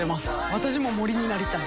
私も森になりたい。